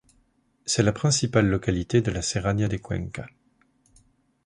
C'est la principale localité de la Serrania de Cuenca.